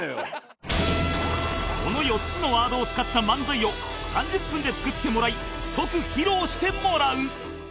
この４つのワードを使った漫才を３０分で作ってもらい即披露してもらう